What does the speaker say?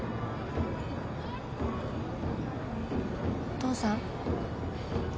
お父さん？